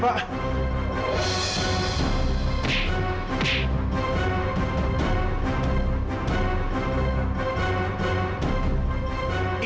saya ketemu julie pak